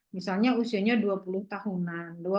misalnya usianya dua puluh tahunan